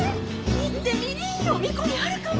行ってみりんよ見込みあるかも！